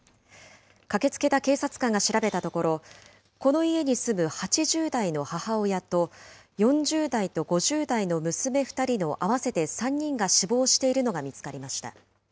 駆けつけた警察官が調べたところ、この家に住む８０代の母親と、４０代と５０代の娘２人の合わせて３人が死亡しているのが見つかりました。